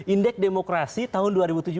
indeks demokrasi tahun dua ribu tujuh belas